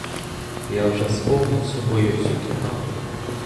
Я вже сповнив собою всю кімнату.